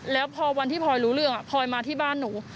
แล้วพอวันที่พลอยรู้เรื่องพลอยมาที่บ้านหนู